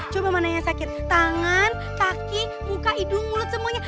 coba menanya sakit tangan kaki muka hidung mulut semuanya